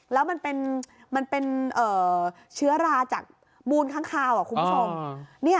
แล้วมันเป็นเชื้อราจากมูลข้างคาวคุณผู้ชม